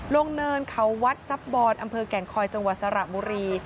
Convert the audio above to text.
ลงเนินเขาวัดซับบอร์ดอำเภอแก่งคอยจังหวัดสระบุรี